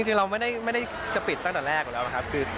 จริงเราไม่ได้จะปิดตั้งแต่ละแรก